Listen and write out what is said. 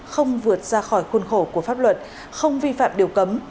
không vượt ra khỏi khuôn khổ của pháp luật không vi phạm điều cấm